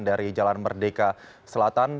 dari jalan merdeka selatan